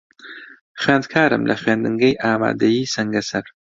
خوێندکارم لە خوێندنگەی ئامادەیی سەنگەسەر.